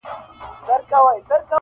غوجله لا هم خاموشه ولاړه ده-